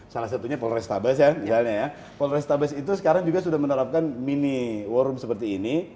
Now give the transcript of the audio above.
salah satunya polrestabes ya misalnya ya polrestabes itu sekarang juga sudah menerapkan mini war room seperti ini